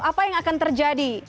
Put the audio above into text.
apa yang akan terjadi